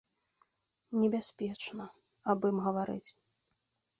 Небяспечна аб ім гаварыць.